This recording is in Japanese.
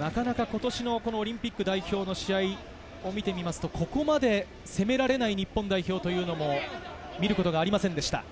なかなか今年のオリンピック代表の試合を見ていると、ここまで攻められない日本代表を見ることはありませんでした。